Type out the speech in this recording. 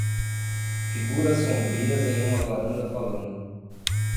Figuras sombrias em uma varanda falando.